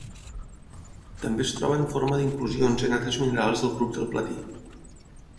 També es troba en forma d'inclusions en altres minerals del grup del platí.